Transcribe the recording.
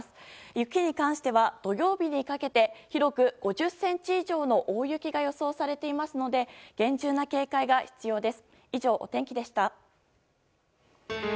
雪に関しては土曜日にかけて広く５０ｃｍ以上の大雪が予想されていますので厳重な警戒が必要です。